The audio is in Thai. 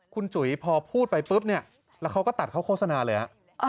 คุณจุ๋ยพอพูดไปปุ๊บเนี่ยแล้วเขาก็ตัดเขาโฆษณาเลยฮะ